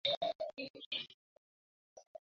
সুমী কাঁদো-কাদো গলায় বলল, কোথায় ছিলে বাবা?